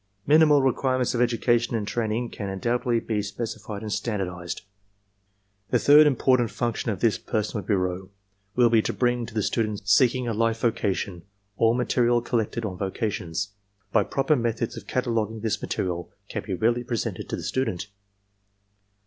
Minimal requirements of education and train ing can undoubtedly be specified and standardized. "The third important function of this personnel bureau will be to bring to the student seeking a life vocation all material col lected on vocations. By proper methods of cataloguing this material can be readily presented to the student.